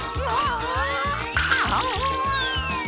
ああ。